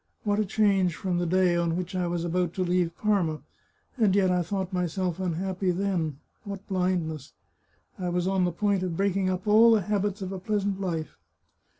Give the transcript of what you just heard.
What a change from the day on which I was about to leave Parma ! And yet I thought myself unhappy then. ... What blindness! I was on the point of breaking up all the habits of a pleasant life.